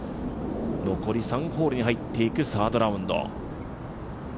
残り３ホールに入っていくサードラウンド。